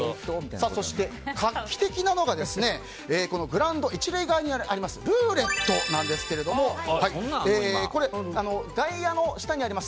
そして、画期的なのがグラウンド１塁側にありますルーレットなんですが外野の下にある「？」